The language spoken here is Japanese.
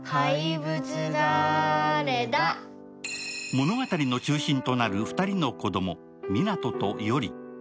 物語の中心となる２人の子供、湊と依里。